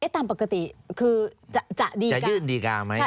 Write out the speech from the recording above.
ตามปกติคือจะยื่นดีกาไหม